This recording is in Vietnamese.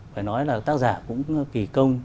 phải nói là tác giả cũng kỳ công